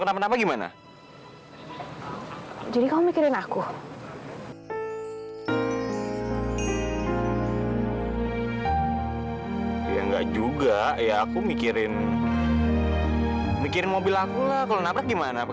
kenapa gimana jadi kau mikirin aku ya nggak juga ya aku mikirin mikirin mobil aku lah kalau gimana